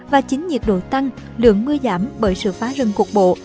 và chính nhiệt độ tăng lượng mưa giảm bởi sự phá rừng cuộc bộ